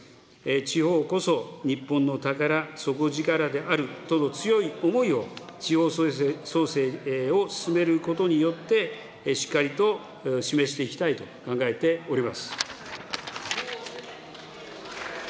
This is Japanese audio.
地方こそ日本の宝、底力であるとの強い思いを、地方創生を進めることによって、しっかりと示していきたいと考えております。